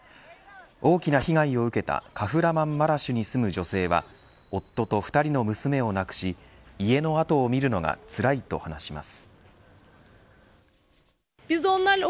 大きな被害を受けたカフラマンマラシュに住む女性は夫と２人の娘を亡くし家の跡を見るのがつらいと話します。